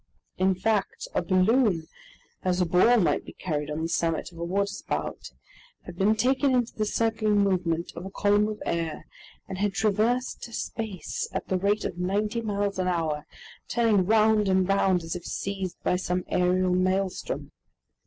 In fact, a balloon, as a ball might be carried on the summit of a waterspout, had been taken into the circling movement of a column of air and had traversed space at the rate of ninety miles an hour, turning round and round as if seized by some aerial maelstrom.